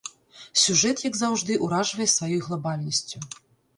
Сюжэт, як заўжды, уражвае сваёй глабальнасцю.